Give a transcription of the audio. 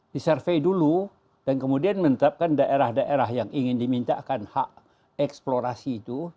disurvey dulu dan kemudian menetapkan daerah daerah yang ingin dimintakan hak eksplorasi itu